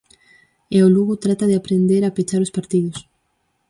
E o Lugo trata de aprender a pechar os partidos.